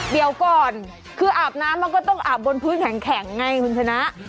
เดี๋ยวก่อนคืออาบน้ำมันก็ต้องอาบบนพื้นแข็งไงคุณชนะ